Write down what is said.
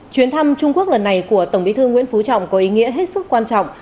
chuyến thăm trung quốc lần này của tổng bí thư nguyễn phú trọng có ý nghĩa hết sức quan trọng